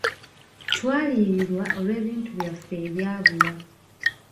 Twaliyirirwa olw'ebintu byaffe ebyabula.